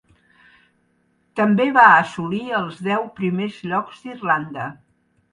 També va assolir els deu primers llocs d'Irlanda.